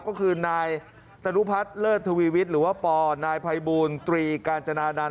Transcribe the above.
ก็คือนายตนุพัฒน์เลิศทวีวิทย์หรือว่าปนายภัยบูลตรีกาญจนานันต